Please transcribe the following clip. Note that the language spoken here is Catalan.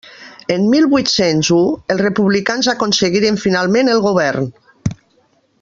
En mil vuit-cents u, els republicans aconseguiren finalment el govern.